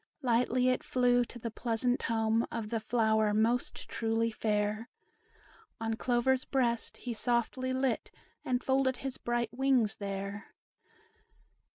Lightly it flew to the pleasant home Of the flower most truly fair, On Clover's breast he softly lit, And folded his bright wings there.